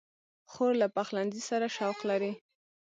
خور له پخلنځي سره شوق لري.